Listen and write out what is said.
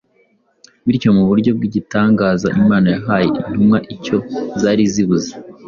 bityo mu buryo bw’igitangaza Imana yahaye intumwa icyo zari zibuze